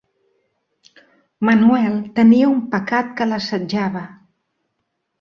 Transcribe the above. Manuel tenia un pecat que l'assetjava.